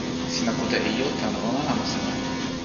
sina kute e ijo tan ona anu seme?